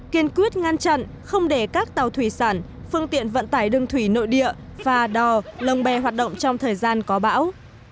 kiên quyết ngăn chặn không để các tàu thủy sản phương tiện vận tải đường thủy nội địa và đò lồng bè hoạt động trong thời gian có bão